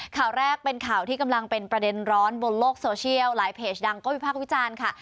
ข่าวแรกเป็นข่าวที่กำลังเป็นประเด็นร้อนบนโลกโซเชียลหลายเพจดังก็วิพากษ์วิจารณ์ค่ะ